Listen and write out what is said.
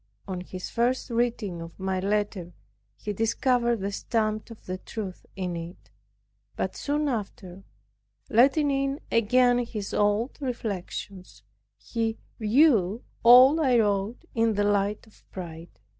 On his first reading of my letter he discovered the stamp of truth in it; but soon after, letting in again his old reflections, he viewed all I wrote in the light of pride.